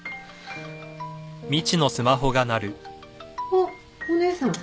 あっお姉さん。